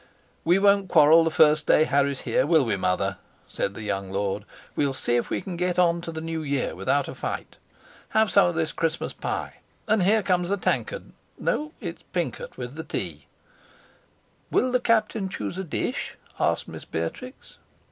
"We won't quarrel the first day Harry's here, will we, mother?" said the young lord. "We'll see if we can get on to the new year without a fight. Have some of this Christmas pie. And here comes the tankard; no, it's Pincot with the tea." "Will the Captain choose a dish?" asked Mistress Beatrix.